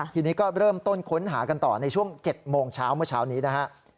ทีนี้ก็เริ่มต้นค้นหากันต่อในช่วง๗โมงเช้าเมื่อเช้านี้นะฮะ